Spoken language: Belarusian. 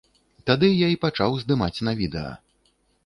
Тады я і пачаў здымаць на відэа.